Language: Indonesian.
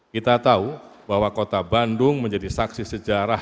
kita tahu bahwa kota bandung menjadi saksi sejarah